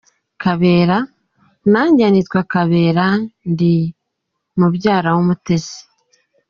Kabera:Najye nitwa Kabera ndi mubyara w’Umutesi .